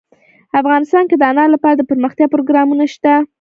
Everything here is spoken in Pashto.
افغانستان کې د انار لپاره دپرمختیا پروګرامونه شته.